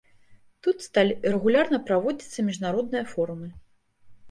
Тут сталі рэгулярна праводзіцца міжнародныя форумы.